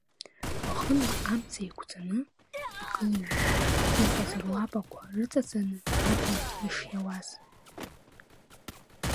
Уахынла амца еиқәҵаны, икылыжәжәа иҟаз руапақәа рыҵаҵаны акәын ишиауаз.